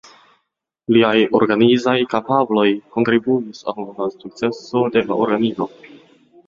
Liaj organizaj kapabloj kontribuis al la sukceso de la organizo.